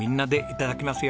いただきます。